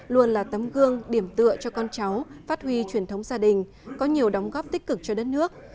luôn là tấm gương điểm tựa cho con cháu phát huy truyền thống gia đình có nhiều đóng góp tích cực cho đất nước